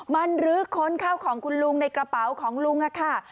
มันรื้อค้นข้าวของคุณลุงในกระเป๋าของลุงค่ะ